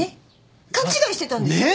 勘違いしてたんですよね？